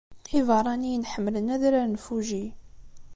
Ibeṛṛaniyen ḥemmlen Adrar n Fuji.